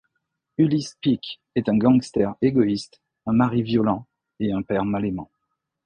Ulysse Pick est un gangster égoïste, un mari violent et un père mal aimant.